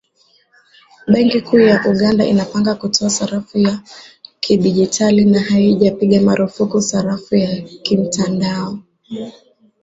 Benki kuu ya Uganda inapanga kutoa sarafu ya kidigitali, na haijapiga marufuku sarafu ya kimtandao